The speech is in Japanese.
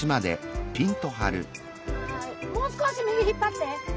・もう少し右引っ張って。